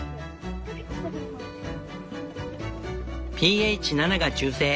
ｐＨ７が中性。